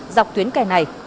dọc tuyến kè này